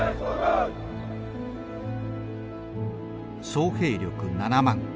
総兵力７万。